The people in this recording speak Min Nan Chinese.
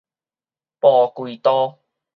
蒲葵道